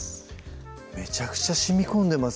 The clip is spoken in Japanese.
めちゃくちゃしみこんでます